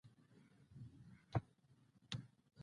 • د سهار چای د انسان ذهن تیزوي.